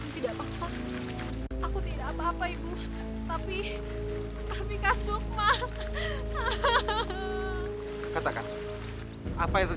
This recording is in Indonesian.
seperti dalam pembaca tanpa nyata